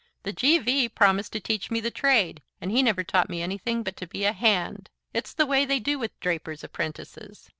The G.V. promised to teach me the trade, and he never taught me anything but to be a Hand. It's the way they do with draper's apprentices.